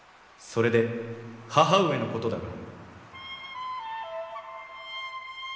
それで母上のことだが。